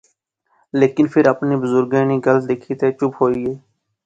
لیکن فیر اپنے بزرگیں نی گل دکھی تہ چپ ہوئی گئی